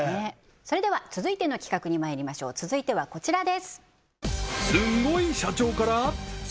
それでは続いての企画にまいりましょう続いてはこちらです